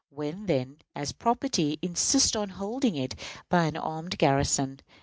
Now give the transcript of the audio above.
Why, then, as property, insist on holding it by an armed garrison?